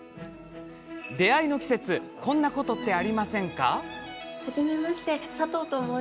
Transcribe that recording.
出会いの季節こんなことありませんか？